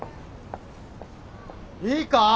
いいか？